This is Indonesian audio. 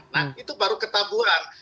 nah itu baru ketahuan